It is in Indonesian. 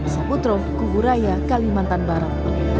sabutro kuguraya kalimantan barat